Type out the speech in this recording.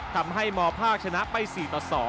ทำให้มภาคชนะไป๔ต่อ๒